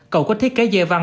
cầu có thiết kế dê văn